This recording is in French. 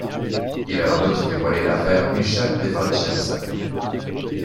Il a en outre dévoilé l'affaire Misha Defonseca.